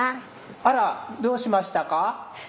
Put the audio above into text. あらどうしましたか？